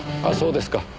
あそうですか。